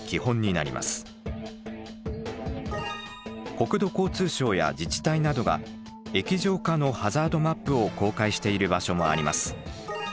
国土交通省や自治体などが液状化のハザードマップを公開している場所もあります。